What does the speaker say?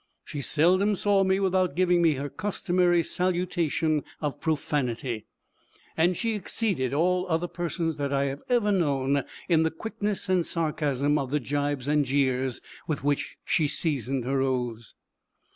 She seldom saw me without giving me her customary salutation of profanity; and she exceeded all other persons that I have ever known in the quickness and sarcasm of the jibes and jeers with which she seasoned her oaths.